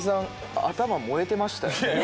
燃えてましたね